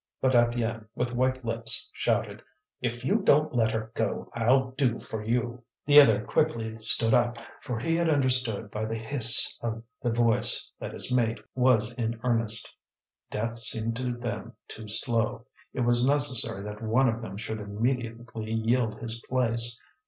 But Étienne, with white lips, shouted: "If you don't let her go, I'll do for you!" The other quickly stood up, for he had understood by the hiss of the voice that his mate was in earnest. Death seemed to them too slow; it was necessary that one of them should immediately yield his place.